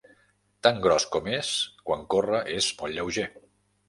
Tan gros com és, quan corre és molt lleuger.